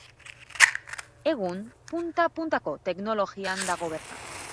Egun, punta-puntako teknologian dago bertan.